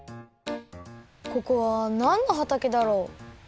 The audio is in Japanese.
ここはなんのはたけだろ？